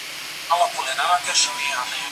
دا ستونزه په ټولو پوهنتونونو کي سته.